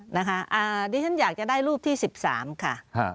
นะคะอ่านี่ฉันอยากจะได้รูปที่๑๓ค่ะ